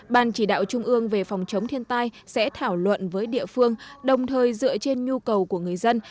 ban chỉ đạo trung ương về phòng chống thiên tai sẽ thảo luận với địa phương đồng thời dựa trên nhu cầu của người dân